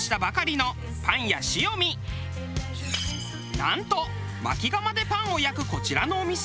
なんと薪窯でパンを焼くこちらのお店。